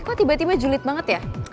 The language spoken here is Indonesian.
kok tiba tiba julid banget ya